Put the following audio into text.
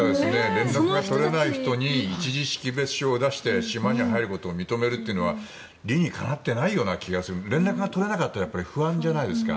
連絡が取れない人に一時識別証を出して島に入ることを認めるというのは理にかなってないような気がする連絡が取れなかったらやっぱり不安じゃないですか。